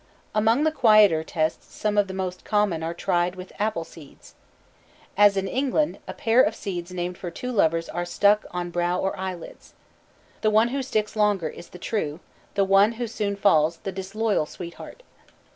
Among the quieter tests some of the most common are tried with apple seeds. As in England a pair of seeds named for two lovers are stuck on brow or eyelids. The one who sticks longer is the true, the one who soon falls, the disloyal sweetheart.